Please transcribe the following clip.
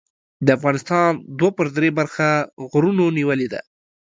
د افغانستان دوه پر درې برخه غرونو نیولې ده.